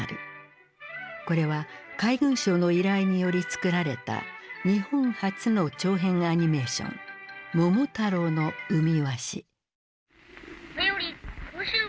これは海軍省の依頼により作られた日本初の長編アニメーション「桃太郎の海鷲」。